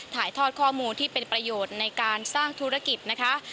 ถ่ายทอดข้อมูลที่เป็นประโยชน์ในการสร้างธุรกิจนะคะ